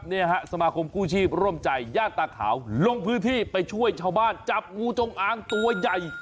เนี่ยฮะสมาคมกู้ชีพร่วมใจย่านตาขาวลงพื้นที่ไปช่วยชาวบ้านจับงูจงอางตัวใหญ่